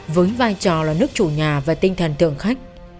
với vai trò là nước chủ nhà và tinh thần thượng khách